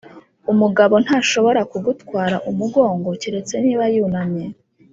umugabo ntashobora kugutwara umugongo keretse niba yunamye.